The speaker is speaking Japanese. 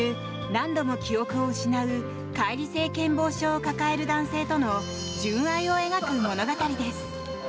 何度も記憶を失う解離性健忘症を抱える男性との純愛を描く物語です。